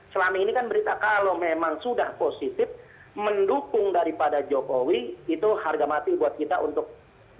selama ini kan berita kalau memang sudah positif mendukung daripada jokowi itu harga mati buat kita untuk